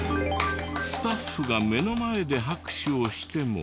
スタッフが目の前で拍手をしても。